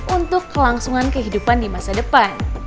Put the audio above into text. untuk kelangsungan kehidupan di masa depan